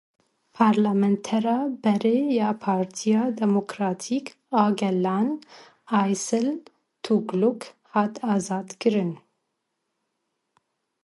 Parlamentera berê ya Partiya Demokratîk a Gelan Aysel Tugluk hat azadkirin.